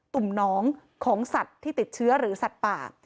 ุ่มน้องของสัตว์ที่ติดเชื้อหรือสัตว์ป่า